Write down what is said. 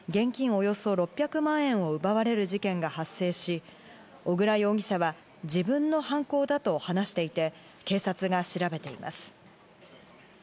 およそ６００万円を奪われる事件が発生し、小椋容疑者は自分の犯行だと話していて、警察が調べています。